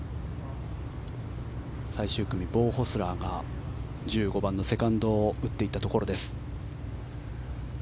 最終組、ボウ・ホスラーが１５番のセカンドを打っていったところです。